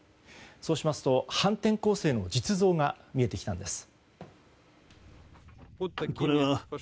そうしますと、反転攻勢の実像が見えてきたんです。